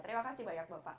terima kasih banyak bapak